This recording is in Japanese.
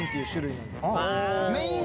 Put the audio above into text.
メイン